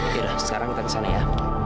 biar sekarang kita kesana ya